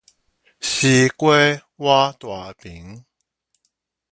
西瓜倚大邊